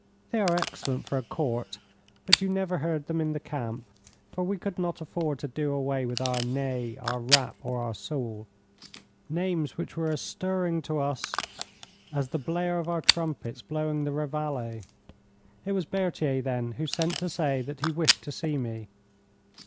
They are excellent for a Court, but you never heard them in the camp, for we could not afford to do away with our Ney, our Rapp, or our Soult names which were as stirring to our ears as the blare of our trumpets blowing the reveille. It was Berthier, then, who sent to say that he wished to see me.